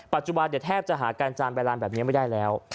แทบจะหาการจานใบลานแบบนี้ไม่ได้แล้ว